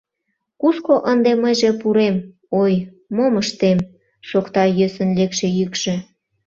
— Кушко ынде мыйже пурем, ой, мом ыштем, — шокта йӧсын лекше йӱкшӧ.